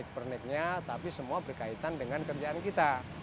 perniknya tapi semua berkaitan dengan kerjaan kita